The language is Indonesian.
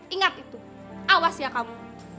ingat itu awas ya kamu